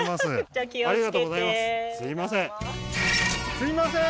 すいません